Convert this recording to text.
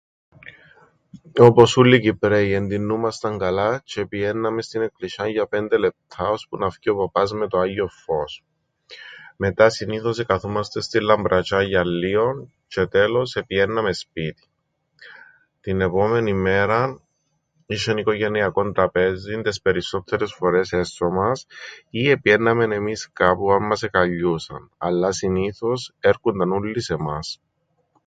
Όπως ούλλοι οι Κυπραίοι. Εντυννούμασταν καλά τζ̆αι επηαίνναμεν στην εκκλησ̆ιάν για πέντε λεπτά ώσπου να φκει ο παπάς με το άγιον φως. Μετά συνήθως εκαθούμαστεν στην λαμπρατζ̆ιάν για λλίον τζ̆αι τέλος επηαίνναμεν σπίτιν. Την επόμενην μέραν είσ̆εν οικογενειακόν τραπέζιν τες περισσόττερες φορές έσσω μας, ή επηαίνναμεν εμείς κάπου αν μας εκαλιούσαν, αλλά συνήθως έρκουνταν ούλλοι σε μας.